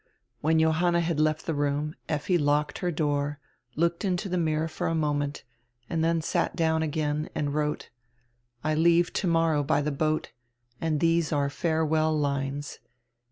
When Johanna had left the room Lffi locked her door, looked into the mirror for a moment and then sat down again, and wrote: "I leave tomorrow by the boat, and these are farewell lines.